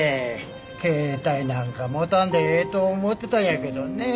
携帯なんか持たんでええと思ってたんやけどね